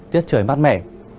tiết trời mát mẻ